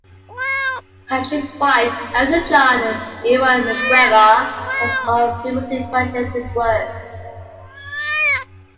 Patrick White, Elton John and Ewan McGregor have all famously purchased his work.